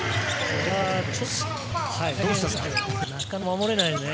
なかなか守れないですね。